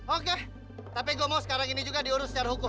oke tapi gue mau sekarang ini juga diurus secara hukum